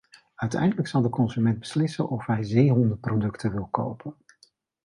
Uiteindelijk zal de consument beslissen of hij zeehondenproducten wil kopen.